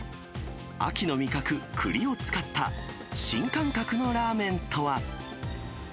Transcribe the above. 秋の味覚、くりを使った新感覚のラーメンとは。